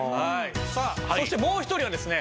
さあそしてもう一人はですね